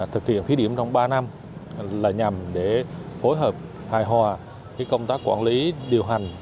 thực hiện thí điểm trong ba năm là nhằm để phối hợp hài hòa công tác quản lý điều hành